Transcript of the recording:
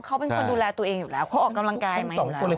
เขาเป็นคนดูแลตัวเองอยู่แล้วเขาออกกำลังกายมาอยู่แล้ว